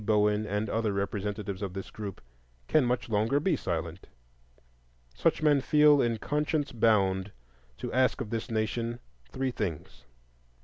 Bowen, and other representatives of this group, can much longer be silent. Such men feel in conscience bound to ask of this nation three things: 1.